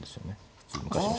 普通昔の。